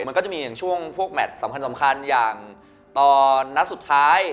มันก็จะมีอย่างช่วงพวกแมทสำคัญอย่างตอนนัดสุดท้าย